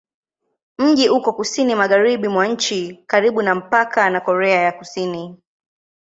Mji uko kusini-magharibi mwa nchi, karibu na mpaka na Korea ya Kusini.